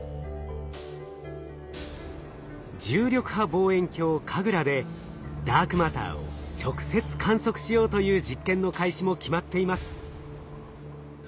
重力波望遠鏡ＫＡＧＲＡでダークマターを直接観測しようという実験の開始も決まっています。